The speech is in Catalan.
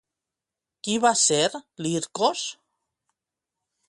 Qui va ser Lircos?